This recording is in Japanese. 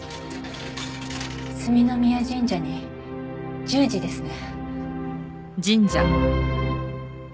角宮神社に１０時ですね。